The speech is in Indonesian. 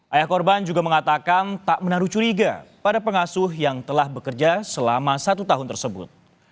ayah korban juga mengatakan tak menaruh curiga pada pengasuh yang telah bekerja selama satu tahun tersebut